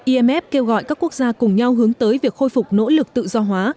imf kêu gọi các quốc gia cùng nhau hướng tới việc khôi phục nỗ lực tự do hóa